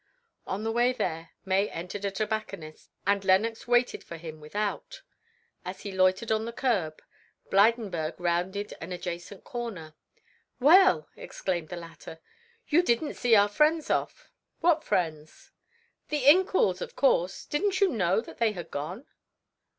On the way there May entered a tobacconist's, and Lenox waited for him without. As he loitered on the curb, Blydenburg rounded an adjacent corner. "Well," exclaimed the latter, "you didn't see our friends off." "What friends?" "The Incouls of course; didn't you know that they had gone?"